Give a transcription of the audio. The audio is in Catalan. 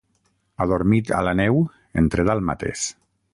Adormit a la neu entre dàlmates.